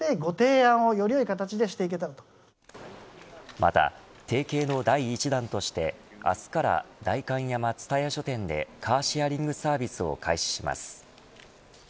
また提携の第１弾として明日から代官山蔦屋書店でカーシェアリングサービスを開始します。